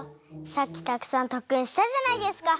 さっきたくさんとっくんしたじゃないですか。